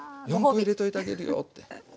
４コ入れといてあげるよって。